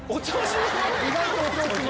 意外とお調子者。